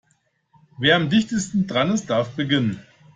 Wer am dichtesten dran ist, darf beginnen.